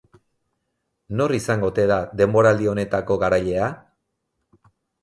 Nor izango ote da denboraldi honetako garailea?